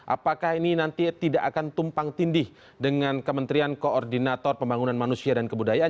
apakah ini nanti tidak akan tumpang tindih dengan kementerian koordinator pembangunan manusia dan kebudayaan